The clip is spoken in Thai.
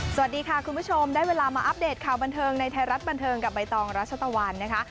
สวัสดีค่ะคุณผู้ชมได้เวลามาอัปเดตข่าวบันเทิงในไทยรัฐบันเทิงกับใบตองรัชตะวันนะคะ